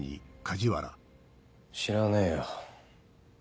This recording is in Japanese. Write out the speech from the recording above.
知らねえよ。